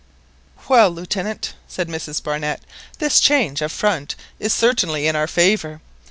"Well, Lieutenant," said Mrs. Barnett, "this change of front is certainly in our favour.